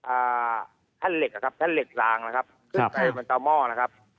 อ่าแท่นเหล็กอ่ะครับแท่นเหล็กลางนะครับขึ้นไปบนเตาหม้อนะครับ